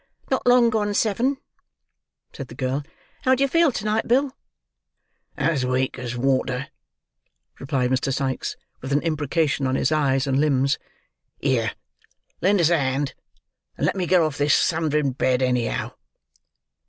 "Not long gone seven," said the girl. "How do you feel to night, Bill?" "As weak as water," replied Mr. Sikes, with an imprecation on his eyes and limbs. "Here; lend us a hand, and let me get off this thundering bed anyhow."